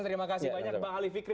terima kasih banyak bang halifikri